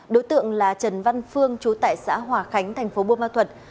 đối tượng là trần văn phương chú tại xã hòa khánh tp buôn ma thuật